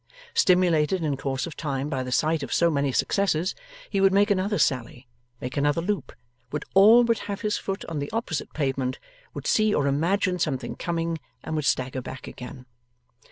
Stimulated in course of time by the sight of so many successes, he would make another sally, make another loop, would all but have his foot on the opposite pavement, would see or imagine something coming, and would stagger back again.